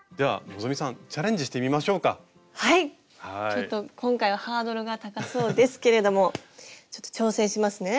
ちょっと今回はハードルが高そうですけれどもちょっと挑戦しますね。